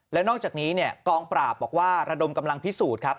แล้วนอกจากนี้เนี่ยกองปราบบอกว่าระดมกำลังพิสูจน์ครับ